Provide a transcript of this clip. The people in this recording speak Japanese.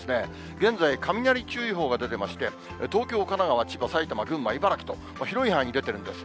現在、雷注意報が出てまして、東京、神奈川、千葉、埼玉、群馬、茨城と広い範囲に出てるんです。